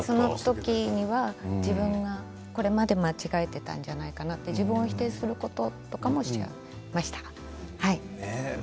その時は自分はこれまで間違えていたじゃないかなと自分否定することとかもしました。